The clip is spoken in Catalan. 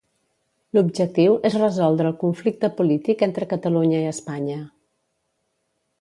L'objectiu és resoldre el conflicte polític entre Catalunya i Espanya.